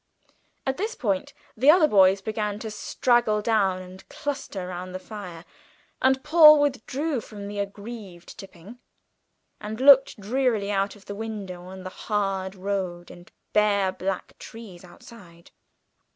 At this point the other boys began to straggle down and cluster round the fire, and Paul withdrew from the aggrieved Tipping, and looked drearily out of the window on the hard road and bare black trees outside.